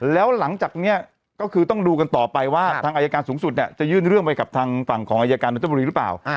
แล้วหลังจากนี้ก็คือต้องดูกันต่อไปว่าทางอายการสูงสุดเนี่ยจะยื่นเรื่องไปกับทางฝั่งของอายการนทบุรีหรือเปล่า